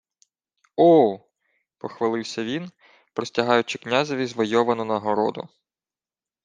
— О! — похвалився він, простягаючи князеві звойовану нагороду.